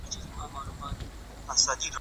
انټرنیټ د زړه سواندۍ احساس پیاوړی کوي.